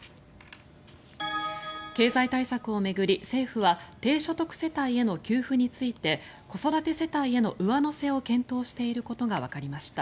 経済対策を巡り、政府は低所得世帯への給付について子育て世帯への上乗せを検討していることがわかりました。